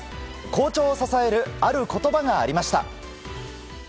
好調を支えるある言葉がありました。